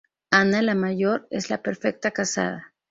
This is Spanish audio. Ana la mayor, es la perfecta casada.